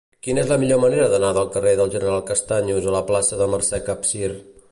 Quina és la millor manera d'anar del carrer del General Castaños a la plaça de Mercè Capsir?